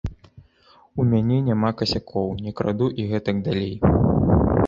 У мяне няма касякоў, не краду і гэтак далей.